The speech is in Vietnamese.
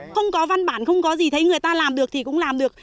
không có văn bản không có gì thấy người ta làm được thì cũng làm được